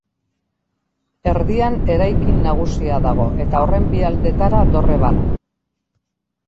Erdian eraikin nagusia dago eta horren bi aldetara dorre bana.